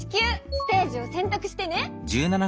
ステージをせんたくしてね！